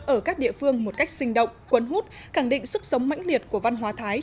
ở các địa phương một cách sinh động quấn hút cẳng định sức sống mãnh liệt của văn hóa thái